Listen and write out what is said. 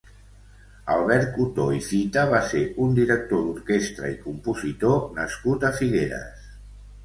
Albert Cotó i Fita va ser un director d'orquestra i compositor nascut a Figueres.